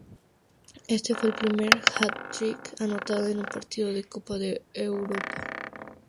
Este fue el primer "hat-trick" anotado en un partido de Copa de Europa.